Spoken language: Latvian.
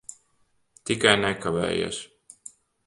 Tikai nekavējies.